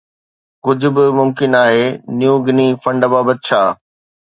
ڪجهه به ممڪن آهي نيو گني فنڊ بابت ڇا؟